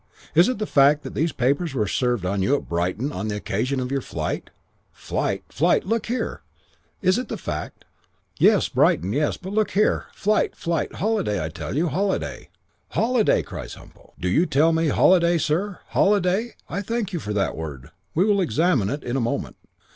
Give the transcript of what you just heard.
Is it the fact that these papers were served on you at Brighton on the occasion of your flight?' "'Flight flight Look here ' "'Is it the fact?' "'Yes. Brighton, yes. But, look here flight! flight! Holiday, I tell you. Holiday.' "'Holiday!' cries Humpo. 'Do you tell me holiday, sir? Holiday! I thank you for that word. We will examine it in a moment.